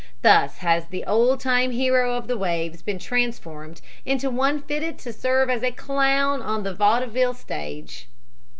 Thus has the old time hero of the waves been transformed into one fitted to serve as a clown of the vaudeville stage.